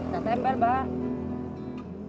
saya tempel bah